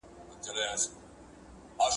ایا لوی صادروونکي کاغذي بادام اخلي؟